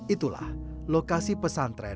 itulah lokasi penyelidikan